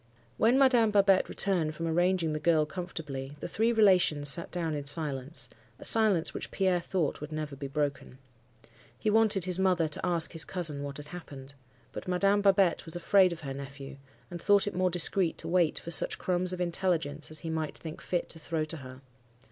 "When Madame Babette returned from arranging the girl comfortably, the three relations sat down in silence; a silence which Pierre thought would never be broken. He wanted his mother to ask his cousin what had happened. But Madame Babette was afraid of her nephew, and thought it more discreet to wait for such crumbs of intelligence as he might think fit to throw to her.